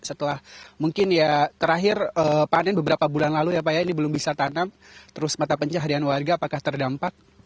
setelah mungkin ya terakhir panen beberapa bulan lalu ya pak ya ini belum bisa tanam terus mata pencaharian warga apakah terdampak